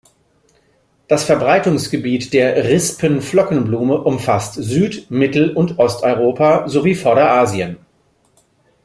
Das Verbreitungsgebiet der Rispen-Flockenblume umfasst Süd-, Mittel- und Osteuropa sowie Vorderasien.